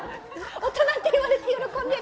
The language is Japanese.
大人って言われて喜んでる！